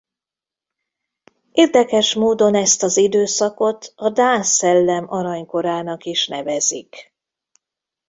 Érdekes módon ezt az időszakot a dán szellem aranykorának is nevezik.